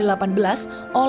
namun rumah tak pernah ditinggali